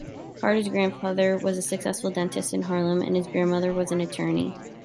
Carter's grandfather was a successful dentist in Harlem and his grandmother an attorney.